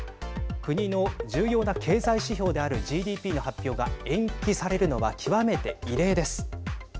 国の重要な経済指標であるＧＤＰの発表が延期されるのは極めて異例です。